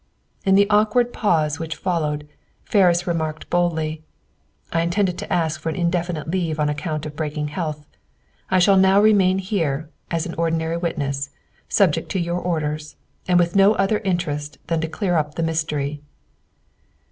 In the awkward pause which followed, Ferris remarked boldly: "I intended to ask for an indefinite leave on account of breaking health. I shall now remain here, as an ordinary witness, subject to your orders, and with no other interest than to clear up the mystery."